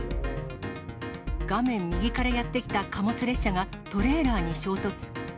画面右からやって来た貨物列車がトレーラーに衝突。